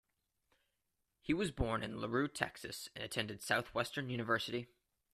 He was born in LaRue, Texas and attended Southwestern University.